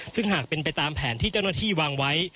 ซึ่งหากเป็นไปตามแผนที่เจ้าหน้าที่วางไว้